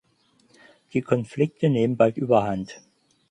Die Konflikte nehmen bald überhand.